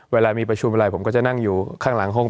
เวลามีประชุมอะไรผมก็จะนั่งอยู่ข้างหลังห้อง